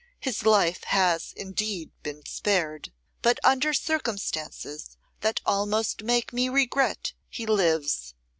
His life has indeed been spared, but under circumstances that almost make me regret he lives.